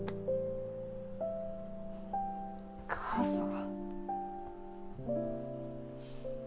母さん。